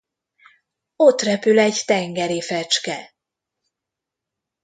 Ott repül egy tengeri fecske!